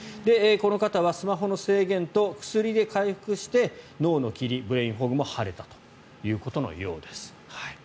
この方はスマホの制限と薬で回復して脳の霧、ブレインフォグも晴れたということのようです。